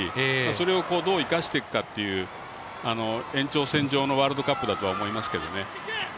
それをどう生かしていくかという延長線上のワールドカップだとは思いますけどね。